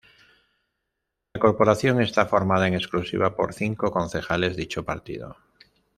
La corporación está formada en exclusiva por cinco concejales dicho partido.